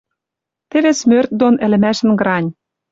Теве смӧрт дон ӹлӹмӓшӹн грань...